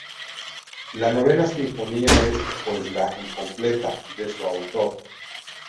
La Novena Sinfonía, es, pues, "La incompleta" de su autor.